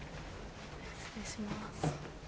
失礼します。